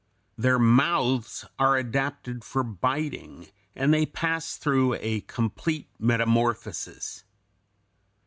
Their mouths are adapted for biting, and they pass through a complete metamorphosis.